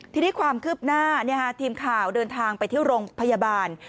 ทีนี้ความคืบหน้าทีมข่าวเดินทางไปที่โรงพยาบาล